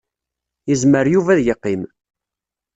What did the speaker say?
Yezmer Yuba ad yeqqim.